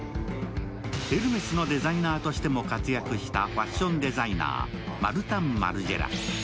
エルメスのデザイナーとしても活躍したファッションデザイナー、マルタン・ルマジェラ。